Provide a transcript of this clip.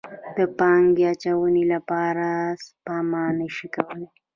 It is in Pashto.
د پانګې اچونې لپاره سپما نه شي کولی.